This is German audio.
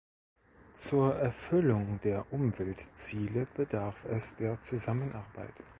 Zur Erfüllung der Umweltziele bedarf es der Zusammenarbeit.